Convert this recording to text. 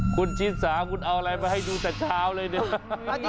คุณชินสาเอาอะไรมาให้ดูแต่เช้าเลย